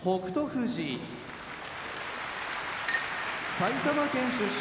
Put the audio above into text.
富士埼玉県出身